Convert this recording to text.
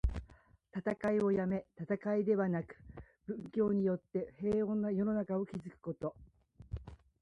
戦いをやめ、戦いではなく、文教によって平穏な世の中を築くこと。